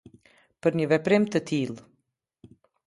Për një veprim të tillë.